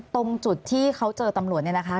ตรงจุดที่เขาเจอตำรวจเนี่ยนะคะ